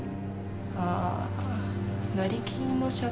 ああ成り金の社長？